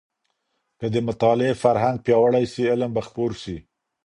که د مطالعې فرهنګ پياوړی سي علم به خپور سي.